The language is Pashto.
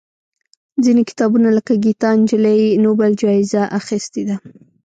ځینې کتابونه لکه ګیتا نجلي یې نوبل جایزه اخېستې ده.